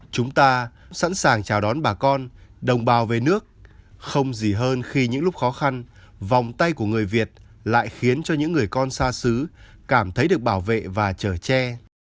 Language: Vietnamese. chúng ta sẵn sàng chào đón bà con đồng bào về nước không gì hơn khi những lúc khó khăn vòng tay của người việt lại khiến cho những người con xa xứ cảm thấy được bảo vệ và trở tre